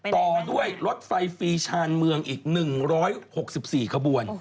ต่อด้วยรถไฟฟรีชานเมืองอีก๑๖๔ขบวน